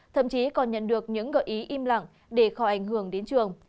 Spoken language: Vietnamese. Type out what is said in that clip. thậm chí còn nhận được những gợi ý im lặng để khỏi ảnh hưởng đến trường